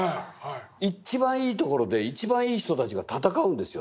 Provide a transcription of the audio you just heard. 一番いいところで一番いい人たちが戦うんですよ。